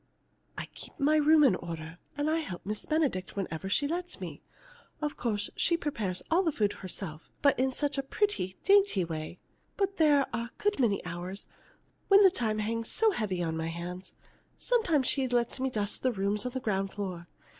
"I keep my room in order, and help Miss Benedict whenever she lets me. Of course, she prepares all the food herself, but in such a pretty, dainty way. But there are a good many hours when the time hangs so heavy on my hands. Sometimes she lets me dust the rooms on the ground floor.